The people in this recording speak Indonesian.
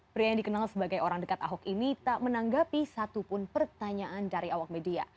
pria yang dikenal sebagai orang dekat ahok ini tak menanggapi satupun pertanyaan dari awak media